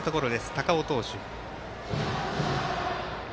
高尾投手。